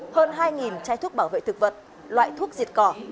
hơn hai chai thuốc bảo vệ thực vật loại thuốc diệt cỏ